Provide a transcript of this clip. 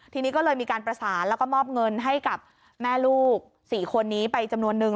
ทีนี้ก็เลยมีการประสานแล้วก็มอบเงินให้กับแม่ลูก๔คนนี้ไปจำนวนนึง